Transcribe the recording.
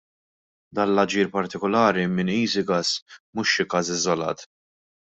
Dan l-aġir partikolari minn Easygas mhux xi każ iżolat.